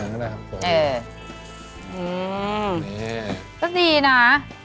เอาขนาดนี้หน่อย